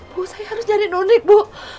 bu saya harus jadi nonrid bu